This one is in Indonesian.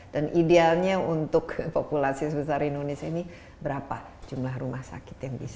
dan idealnya untuk populasi sebesar indonesia ini berapa jumlah rumah sakit yang bisa